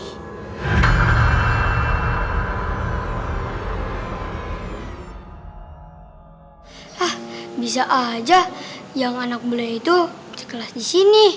hah bisa aja yang anak belia itu kelas disini